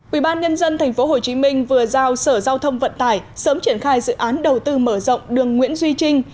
ủy ban nhân dân tp hcm vừa giao sở giao thông vận tải sớm triển khai dự án đầu tư mở rộng đường nguyễn duy trinh